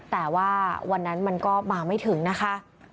แต่ว่าวันนั้นมันก็มาไม่ถึงนะคะ